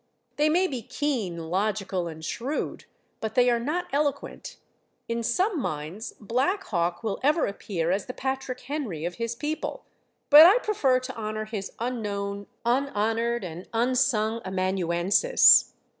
They may be keen, logical and shrewd, but they are not eloquent. In some minds, Black Hawk will ever appear as the Patrick Henry of his people; but I prefer to honor his unknown, unhonored and unsung amanuensis.